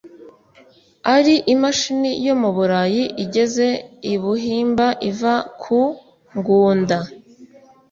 Ari imashini yo mu Burayi Igeze i Buhimba iva ku Ngunda."